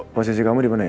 posisi kamu dimana ya